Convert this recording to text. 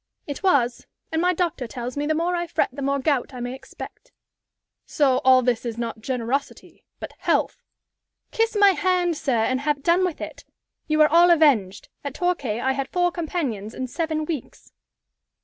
"It was. And my doctor tells me the more I fret the more gout I may expect." "So all this is not generosity, but health?" "Kiss my hand, sir, and have done with it! You are all avenged. At Torquay I had four companions in seven weeks."